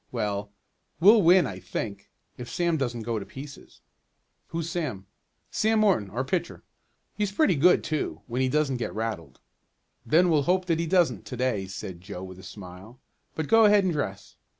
Well, we'll win, I think, if Sam doesn't go to pieces." "Who's Sam?" "Sam Morton, our pitcher. He's pretty good too, when he doesn't get rattled." "Then we'll hope that he doesn't to day," said Joe with a smile. "But go ahead and dress."